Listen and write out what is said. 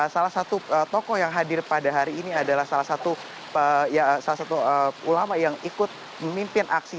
salah satu tokoh yang hadir pada hari ini adalah salah satu ulama yang ikut memimpin aksi